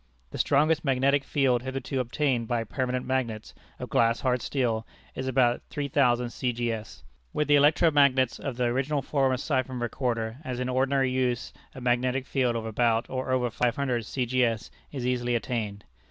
The strongest magnetic field hitherto obtained by permanent magnets (of glass hard steel) is about 3000 C. G. S. With the electro magnets of the original form of Siphon Recorder as in ordinary use a magnetic field of about or over 5000 C. G. S. is easily attained.